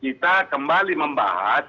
kita kembali membahas